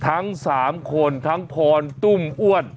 ทั้ง๓คนทั้งพรตุ้มอ้วน